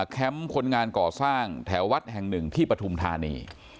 คนงานก่อสร้างแถววัดแห่งหนึ่งที่ปฐุมธานี